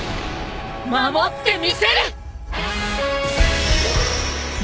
守ってみせる！